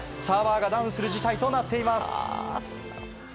サーバーがダウンする事態となっています。